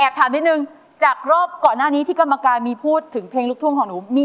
ถามนิดนึงจากรอบก่อนหน้านี้ที่กรรมการมีพูดถึงเพลงลูกทุ่งของหนูมี